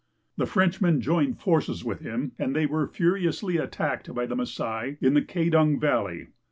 The French men joined forces with him and they were furiously attacked by the ^hisai in tiie Kedong valley.